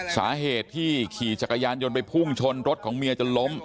สาเหตุที่ขี่จักรยานยนต์ไปพุ่งชนรถของเมียจนล้ม